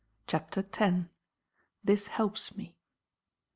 CHAPTER X. THIS HELPS ME.